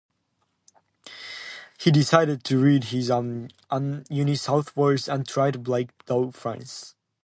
He decided to lead his unit southwards and try to break through to France.